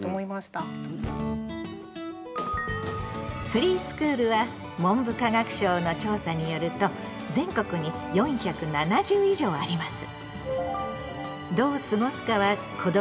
フリースクールは文部科学省の調査によると全国に４７０以上あります。